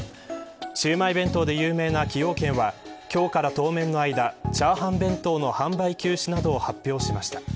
シウマイ弁当で有名な崎陽軒は今日から当面の間炒飯弁当の販売休止などを発表しました。